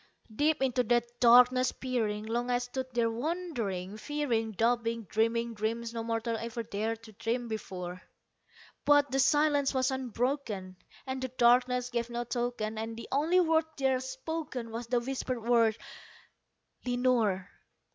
Deep into that darkness peering, long I stood there wondering, fearing, Doubting, dreaming dreams no mortal ever dared to dream to dream before; But the silence was unbroken, and the darkness gave no token, And the only word there spoken was the whispered word, "Lenore!"